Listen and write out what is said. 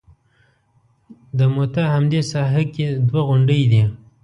د موته همدې ساحه کې دوه غونډۍ دي.